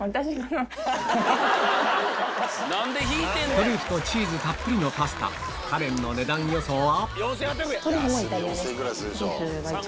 トリュフとチーズたっぷりのパスタカレンの値段予想は？